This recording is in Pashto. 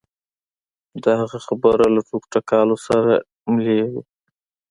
د هغه خبرې له ټوکو ټکالو سره ملې وې.